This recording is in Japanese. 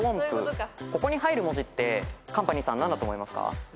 ここに入る文字ってカンパニーさん何だと思いますか？